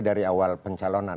dari awal pencalonan